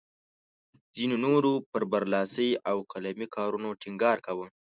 ځینو نورو پر برلاسي او قلمي کارونو ټینګار کاوه.